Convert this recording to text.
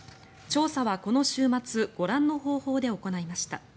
調査はこの週末ご覧の方法で行いました。